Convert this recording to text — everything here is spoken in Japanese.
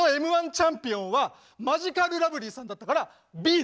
チャンピオンはマヂカルラブリーさんだったからＢでしょ！